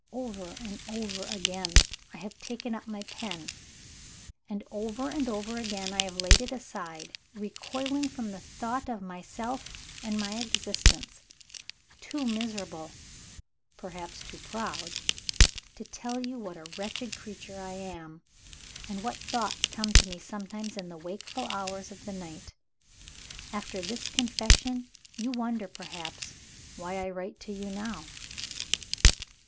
Over and over again, I have taken up my pen; and over and over again, I have laid it aside, recoiling from the thought of myself and my existence; too miserable (perhaps too proud) to tell you what a wretched creature I am, and what thoughts come to me sometimes in the wakeful hours of the night. "After this confession, you wonder, perhaps, why I write to you now.